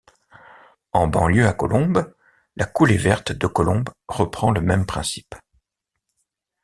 En banlieue à Colombes, la coulée verte de Colombes reprend le même principe.